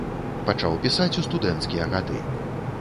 Пачаў пісаць у студэнцкія гады.